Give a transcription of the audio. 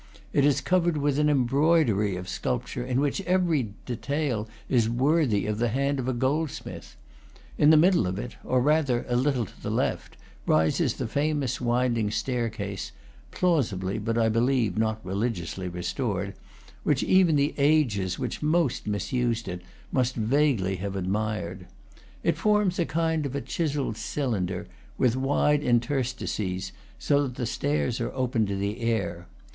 It is covered with an embroidery of sculpture, in which every detail is worthy of the hand of a goldsmith. In the middle of it, or rather a little to the left, rises the famous wind ing staircase (plausibly, but I believe not religiously, restored), which even the ages which most misused it must vaguely have admired. It forms a kind of chiselled cylinder, with wide interstices, so that the stairs are open to the air.